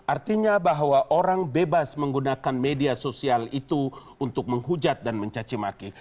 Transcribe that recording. artinya bahwa orang bebas menggunakan media sosial itu untuk menghujat dan mencacimaki